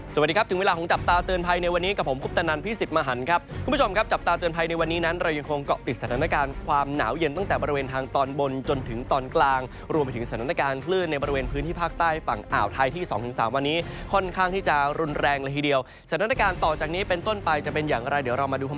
สวัสดีครับถึงเวลาของจับตาเตือนไพรในวันนี้กับผมคุณตนันพี่สิทธิ์มหันครับคุณผู้ชมครับจับตาเตือนไพรในวันนี้นั้นเรายังคงเกาะติดสถานการณ์ความหนาวเย็นตั้งแต่บริเวณทางตอนบนจนถึงตอนกลางรวมไปถึงสถานการณ์คลื่นในบริเวณพื้นที่ภาคใต้ฝั่งอ่าวไทยที่๒๓วันนี้ค่อนข้างที่จะรุน